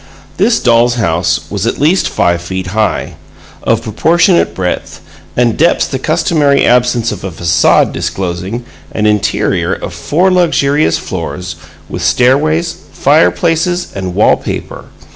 This dolls' house was at least five feet high, of proportionate breadth and depths the customary absence of a facade disclosing an interior of four luxurious floors, with stairways, fireplaces, and wall paper.